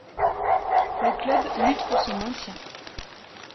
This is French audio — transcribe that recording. Le club lutte pour son maintien.